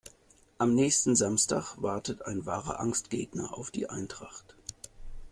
Am nächsten Samstag wartet ein wahrer Angstgegner auf die Eintracht.